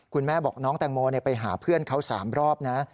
คุณแม่บอกน้องแตงโมไปหาเพื่อนเขา๓รอบนะ